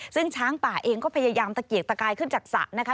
ซึ่งช้างป่าเองก็พยายามตะเกียกตะกายขึ้นจากสระนะคะ